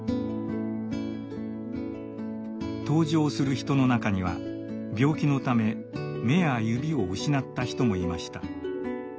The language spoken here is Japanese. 登場する人の中には病気のため目や指を失った人もいました。